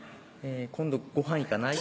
「今度ごはん行かない？」